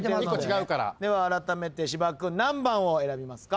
ではあらためて芝君何番を選びますか？